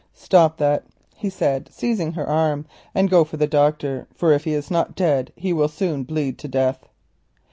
"Stop that," he said, seizing her arm, "and go for the doctor, for if he is not dead he will soon bleed to death."